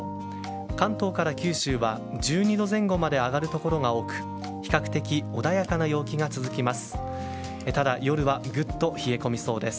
関東から九州は１２度前後まで上がるところが多く比較的、穏やかな陽気が続きます。